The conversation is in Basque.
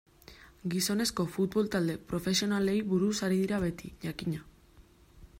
Gizonezko futbol talde profesionalei buruz ari dira beti, jakina.